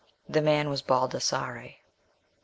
The man was Baldassarre.